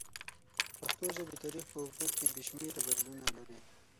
د پښتو ژبې تاریخ په اوږدو کې بې شمېره بدلونونه لري.